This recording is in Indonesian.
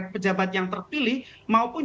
pejabat yang terpilih maupun